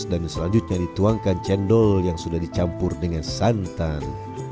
dan selanjutnya dituangkan cendol yang sudah dicampur dengan santan